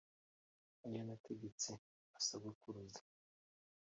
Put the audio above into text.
ayo nategetse ba sokuruza